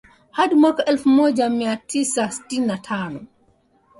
hadi mwaka elfu moja mia tisa tisini na tano